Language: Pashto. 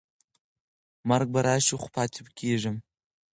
مرګ به راشي خو پاتې کېږم.